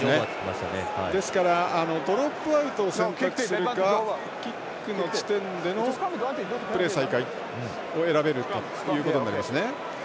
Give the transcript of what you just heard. ですからドロップアウトを選択するかキックの地点でのプレー再開を選べるということになりますね。